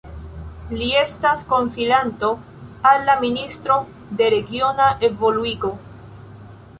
Li estas konsilanto al la Ministro de Regiona Evoluigo.